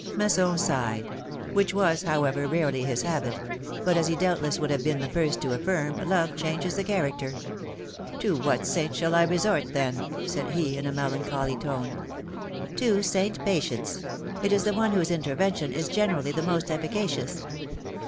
Masson sighed ; which was, however, rarely his habit — but as he doubtless would have been the first to affirm, love ehanges the character. '^To what saint shall I resort, then?" said he, in a melancholy tone. To Saint Patience: it is the one whose intervention is generally the most efficacious."